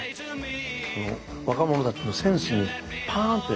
若者たちのセンスにパーンって。